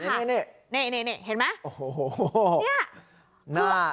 เจนนี่นี่เห็นมั้ย